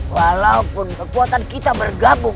walaupun kekuatan kita bergabung